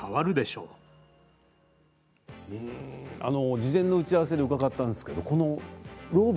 事前の打ち合わせで伺ったんですけどローブ